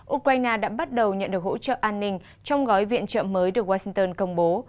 ukraine đã bắt đầu nhận được hỗ trợ an ninh trong gói viện trợ mới được washington công bố